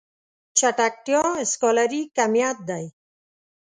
چټکتيا سکالري کميت دی.